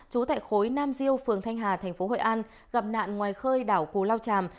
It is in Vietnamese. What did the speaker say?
trú tại khối nam diêu phường thanh hà thành phố hội an gặp nạn ngoài khơi đảo cù lao tràm